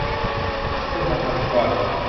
เส้นผมพันเป็นก้อน